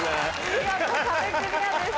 見事壁クリアです。